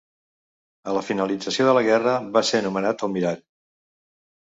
A la finalització de la guerra, va ser nomenat almirall.